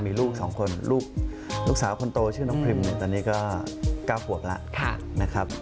มีลูก๒คนลูกสาวคนโตชื่อน้องพรีมตอนนี้ก็๙ขวบแล้วนะครับ